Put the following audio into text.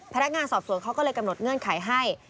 พนักงานสอบสวนเขาก็เลยกำหนดเงื่อนไขให้